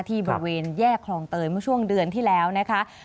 บริเวณแยกคลองเตยเมื่อช่วงเดือนที่แล้วนะคะ